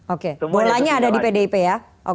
oke bolanya ada di pdip ya